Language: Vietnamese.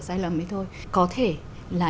sai lầm ấy thôi có thể là